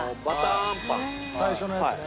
最初のやつね。